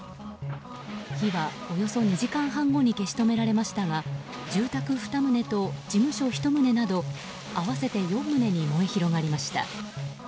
火はおよそ２時間半後に消し止められましたが住宅２棟と事務所１棟など合わせて４棟に燃え広がりました。